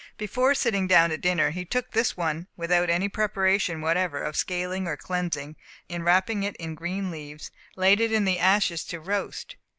Before sitting down to dinner, he took this one without any preparation whatever of scaling or cleansing, and wrapping it in green leaves, laid it in the ashes to roast.